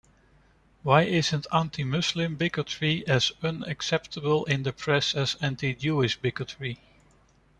Why isn't anti-Muslim bigotry as unacceptable in the press as anti-Jewish bigotry?